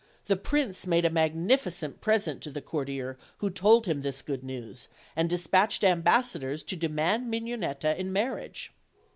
The prince made a magnificent present to the courtier who told him this good news, and dispatched ambassadors to demand Mignonetta in marriage.